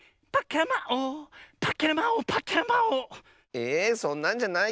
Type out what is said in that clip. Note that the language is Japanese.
えそんなんじゃないよ。